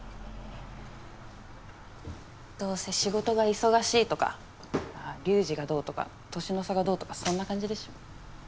どうせ仕事が忙しいとか龍二がどうとか年の差がどうとかそんな感じでしょ？